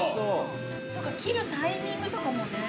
◆切るタイミングとかもね。